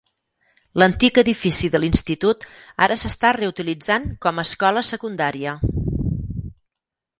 L'antic edifici de l'institut ara s'està reutilitzant com a escola secundària.